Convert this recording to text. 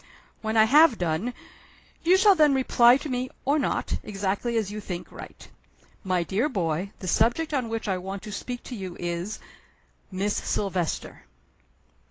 When I have done, you shall then reply to me or not, exactly as you think right. My dear boy, the subject on which I want to speak to you is Miss Silvester."